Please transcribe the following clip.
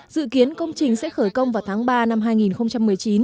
dự kiến công trình sẽ khởi công vào tháng ba năm hai nghìn một mươi chín